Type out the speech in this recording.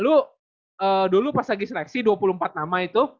dulu pas lagi seleksi dua puluh empat nama itu